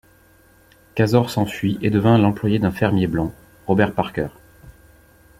Casor s’enfuit et devint l’employé d’un fermier blanc, Robert Parker.